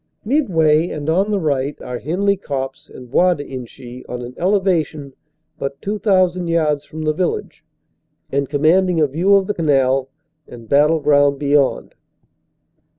Midway and on the right are Henley Copse and Bois d Inchy, on an elevation but two thousand yards from the village and com manding a view of the canal and battleground beyond.